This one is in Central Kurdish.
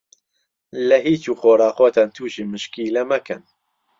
لە هیچ و خۆڕا خۆتان تووشی مشکیلە مەکەن.